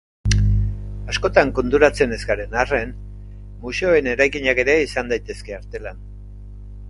Askotan konturatzen ez garen arren, museoen erakinak ere izan daitezke artelan.